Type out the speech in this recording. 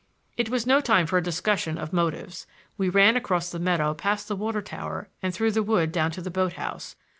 It was no time for a discussion of motives. We ran across the meadow past the water tower and through the wood down to the boat house.